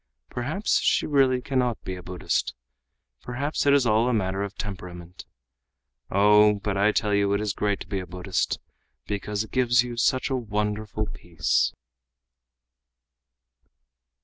Perhaps she really cannot be a Buddhist. Perhaps it is all a matter of temperament. Oh, but I tell you it is great to be a Buddhist, because it gives you such a wonderful peace."